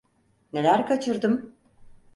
Neler kaçırdım?